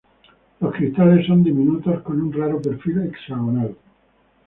Los cristales son diminutos con un raro perfil hexagonal.